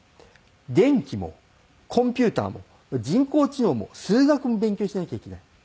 電気もコンピューターも人工知能も数学も勉強しなきゃいけない。